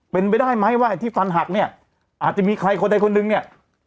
เป็นไปได้ไหมว่าไอ้ที่ฟันหักเนี่ยอาจจะมีใครคนใดคนหนึ่งเนี่ย